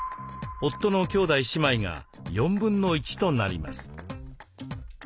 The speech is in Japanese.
夫の兄弟姉妹が1/4となります。